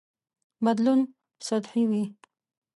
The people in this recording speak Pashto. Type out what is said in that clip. بدلون سطحي وي.